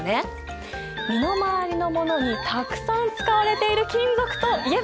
身の回りのものにたくさん使われている金属といえば？